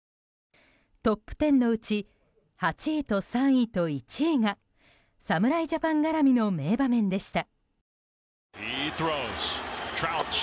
トップ１０のうち８位と３位と１位が侍ジャパン絡みの名場面でした。